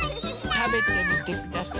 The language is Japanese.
たべてみてください。